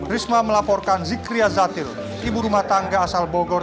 risma melaporkan zikria zatil ibu rumah tangga asal bogor